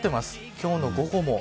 今日の午後も。